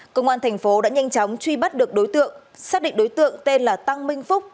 công an tp sóc trăng đã nhanh chóng truy bắt được đối tượng xác định đối tượng tên là tăng minh phúc